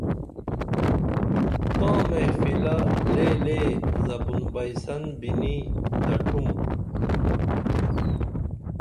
تاں محفلہ لےلے زبُن بئیسن بِنی دڇھُم